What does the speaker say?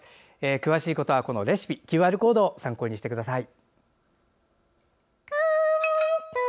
詳しいレシピはＱＲコードを参考にしてください。